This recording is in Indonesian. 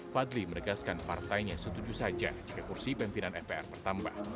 fadli menegaskan partainya setuju saja jika kursi pimpinan mpr bertambah